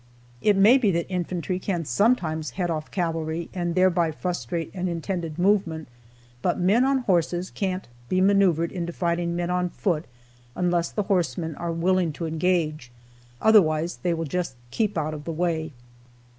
It may be that infantry can sometimes head off cavalry, and thereby frustrate an intended movement, but men on horses can't be maneuvered into fighting men on foot unless the horsemen are willing to engage. Otherwise they will just keep out of the way.